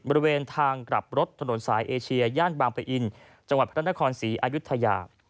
บริเวณทางกลับรถถนนสายเอเชียย่านบางปะอินจังหวัดพระนครศรีอายุทยา